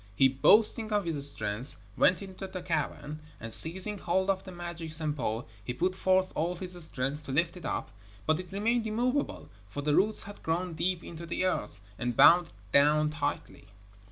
He, boasting of his strength, went into the cavern, and seizing hold of the magic Sampo, he put forth all his strength to lift it up, but it remained immovable, for the roots had grown deep into the earth, and bound it down tightly.